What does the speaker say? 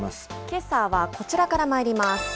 けさはこちらからまいります。